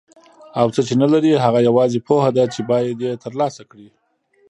او څه چې نه لري هغه یوازې پوهه ده چې باید یې ترلاسه کړي.